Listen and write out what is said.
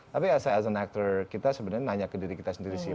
tapi as an actor kita sebenarnya nanya ke diri kita sendiri sih